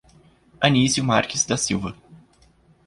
Anizio Marques da Silva